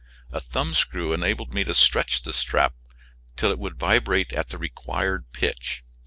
A thumbscrew enabled me to stretch the strap till it would vibrate at the required pitch.